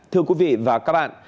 thưa quý vị và các bạn